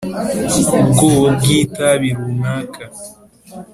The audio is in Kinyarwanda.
ubwoko bw itabi runaka